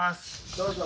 どうぞ。